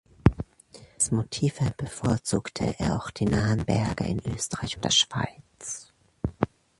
Als Motive bevorzugte er auch die nahen Berge in Österreich und der Schweiz.